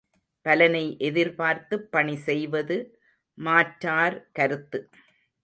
பலனை எதிர்பார்த்துப் பணி செய்வது மாற்றார் கருத்து.